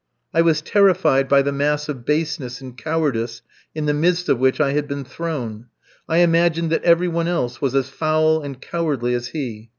I was terrified by the mass of baseness and cowardice in the midst of which I had been thrown. I imagined that every one else was as foul and cowardly as he.